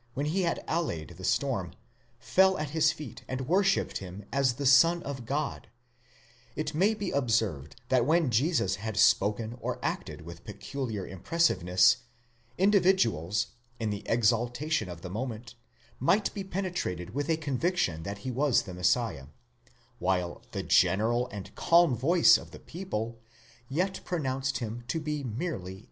when he had allayed the storm, fell at his feet and wor shipped him as the Son of God, it may be observed that when Jesus had spoken or acted with peculiar impressiveness, individuals, in the exaltation of the moment, might be penetrated with a conviction that he was the Messiah, while the general and calm voice of the people yet pronounced him to be merely a prophet.